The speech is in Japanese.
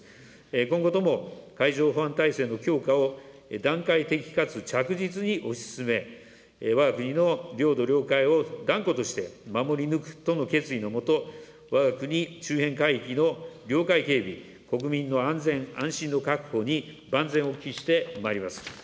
今後とも海上保安体制の強化を、段階的かつ着実に推し進め、わが国の領土・領海を断固として守り抜くとの決意のもと、わが国周辺海域の領海警備、国民の安全・安心の確保に万全を期してまいります。